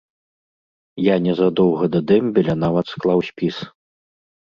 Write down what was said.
Я незадоўга да дэмбеля нават склаў спіс.